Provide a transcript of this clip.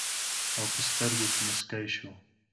او پۀ سترګو کښې مسکے شو